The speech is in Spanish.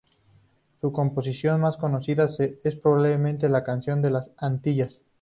Su composición más conocida es probablemente "La canción de las Antillas".